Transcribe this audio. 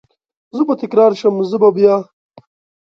زه به تکرار شم، زه به بیا،